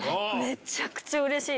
めちゃくちゃうれしい！